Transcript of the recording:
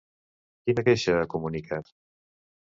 Quina queixa ha comunicat?